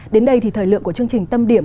đến đây thì thời lượng của chương trình tâm điểm